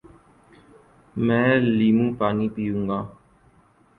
میں لیموں پانی پیوں گا